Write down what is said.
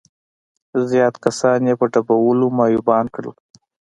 زيات کسان يې په ډبولو معيوبان کړل.